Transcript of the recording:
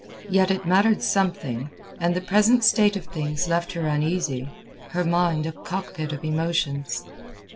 Yet it mattered something, and the present state of things left her uneasy, her mind a cockpit of emotions.